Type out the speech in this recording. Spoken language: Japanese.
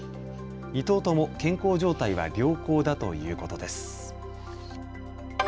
２頭とも健康状態は良好だということです。